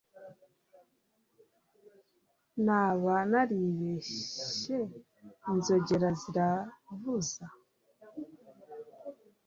naba naribeshye inzogera ziravuza